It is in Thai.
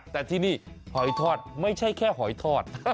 แต่ที่นี่หอยทอดไม่ใช่แค่หอยทอด